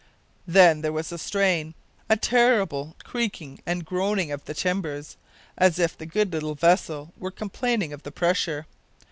Then there was a strain, a terrible creaking and groaning of the timbers, as if the good little vessel were complaining of the pressure.